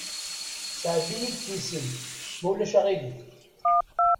Sɛeddi-yi-d tisent, ma ulac aɣilif?